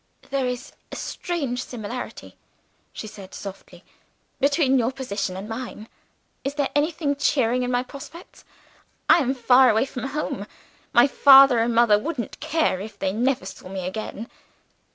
"There is a strange similarity," she said softly, "between your position and mine. Is there anything cheering in my prospects? I am far away from home my father and mother wouldn't care if they never saw me again.